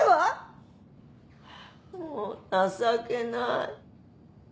もう情けない。